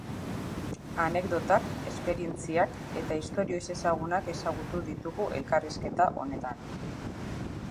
Anekdotak, esperientziak eta istorio ezezagunak ezagutu ditugu elkarrizketa honetan.